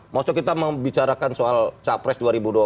maksudnya kita membicarakan soal capres dua ribu dua puluh